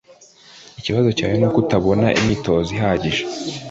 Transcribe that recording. Ikibazo cyawe nuko utabona imyitozo ihagije.